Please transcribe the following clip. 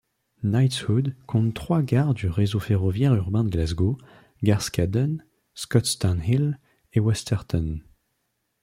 Knightswood compte trois gares du réseau ferroviaire urbain de Glasgow: Garscadden, Scotstounhill et Westerton.